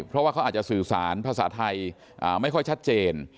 เพราะว่าเขาอาจจะสื่อสารภาษาไทยไม่ค่อยชัดเจน